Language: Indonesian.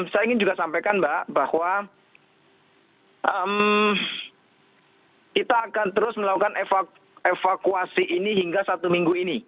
saya ingin juga sampaikan mbak bahwa kita akan terus melakukan evakuasi ini hingga satu minggu ini